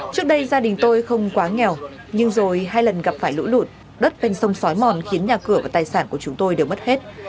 trước đây gia đình tôi không quá nghèo nhưng rồi hai lần gặp phải lũ lụt đất ven sông xói mòn khiến nhà cửa và tài sản của chúng tôi đều mất hết